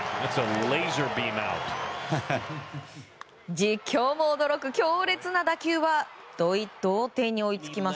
実況も驚く強烈な打球は同点に追いつきます